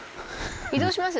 移動します？